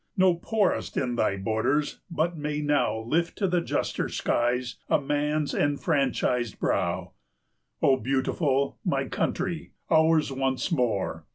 No poorest in thy borders but may now 410 Lift to the juster skies a man's enfranchised brow, O Beautiful! my Country! ours once more!